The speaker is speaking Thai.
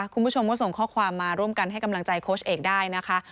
คุณผู้ชมก็ส่งข้อความมาร่วมกันให้กำลังใจโค้ชเอกได้นะคะ